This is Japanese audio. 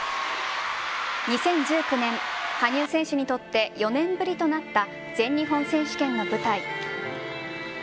２０１９年、羽生選手にとって４年ぶりとなった全日本選手権の舞台。